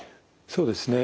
そうですね。